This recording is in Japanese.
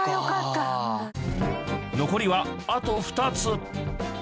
残りはあと２つ。